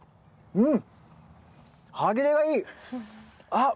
うん！